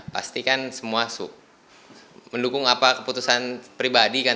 pasti kan semua mendukung keputusan pribadi kan